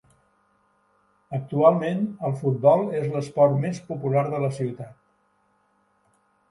Actualment, el futbol és l'esport més popular de la ciutat.